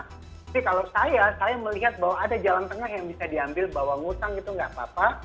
tapi kalau saya saya melihat bahwa ada jalan tengah yang bisa diambil bawa hutang gitu enggak apa apa